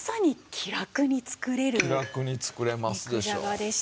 気楽に作れますでしょう。